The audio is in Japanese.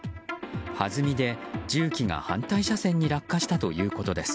はずみで重機が反対車線に落下したということです。